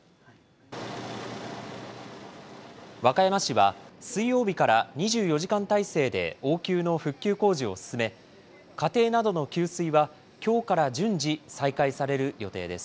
和歌山市は、水曜日から２４時間態勢で応急の復旧工事を進め、家庭などの給水はきょうから順次、再開される予定です。